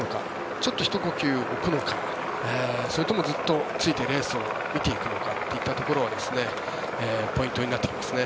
ちょっとひと呼吸置くのかそれともずっとついてレースを見ていくのかといったところがポイントになってきますね。